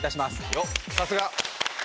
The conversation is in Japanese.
よっさすが！